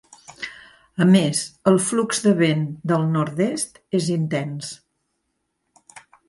A més, el flux de vent del nord-est és intens.